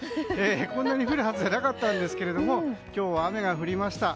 こんなに降るはずじゃなかったんですけれども今日は雨が降りました。